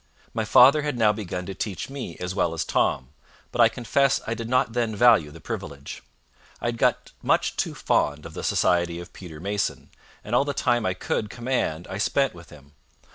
My father had now begun to teach me as well as Tom, but I confess I did not then value the privilege. I had got much too fond of the society of Peter Mason, and all the time I could command I spent with him.